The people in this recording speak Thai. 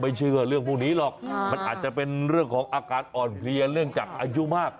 เชื่อเรื่องพวกนี้หรอกมันอาจจะเป็นเรื่องของอาการอ่อนเพลียเนื่องจากอายุมาก